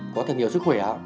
có thật nhiều sức khỏe